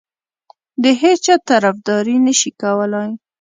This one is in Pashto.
د هیچا طرفداري نه شي کولای.